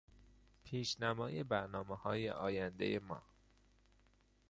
پیشنمای برنامههای آیندهی ما